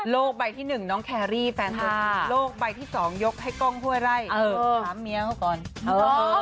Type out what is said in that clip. ใบที่หนึ่งน้องแครรี่แฟนตัวจริงโลกใบที่สองยกให้กล้องห้วยไร่เออถามเมียเขาก่อนเออ